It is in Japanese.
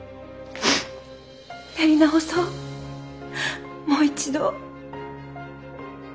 やり直そうもう一度。